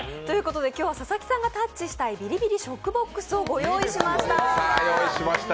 佐々木さんがタッチした「ビリショックボックス」をご用意しました。